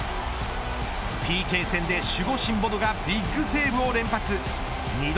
ＰＫ戦で守護神ボノがビッグセーブを連発。